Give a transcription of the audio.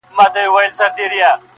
لکه ملنگ چي د پاچا د کلا ور ووهي,